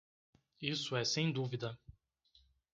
Isso é sem dúvida.